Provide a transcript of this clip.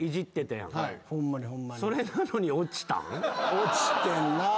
落ちてんな。